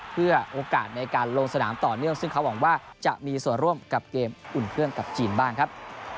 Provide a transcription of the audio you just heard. เพื่อโอกาสในการลงสนามต่อเนื่องซึ่งเขาหวังว่าจะมีส่วนร่วมกับเกมอุ่นเครื่องกับจีนบ้างครับ